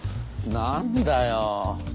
なんだよ。